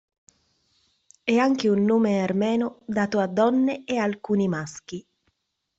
È anche un nome armeno dato a donne e alcuni maschi.